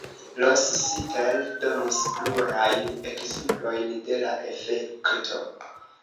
Rossiter donis plurajn ekzemplojn de la efekto.